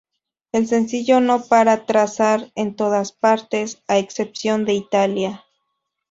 El sencillo no para trazar en todas partes, a excepción de Italia.